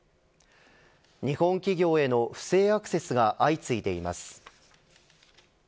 日本企業への不正アクセスが相次いでいます。